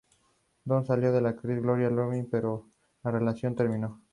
Son famosos en Irán por su música, que inspiró a Borodin.